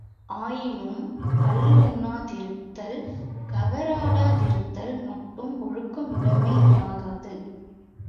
ஆயினும் கள்ளுண்ணாதிருத்தல், கவறாடாதிருத்தல் மட்டும் ஒழுக்கமுடைமையாகாது.